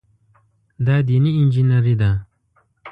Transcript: دا دیني انجینیري ده.